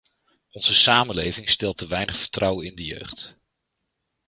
Onze samenleving stelt te weinig vertrouwen in de jeugd.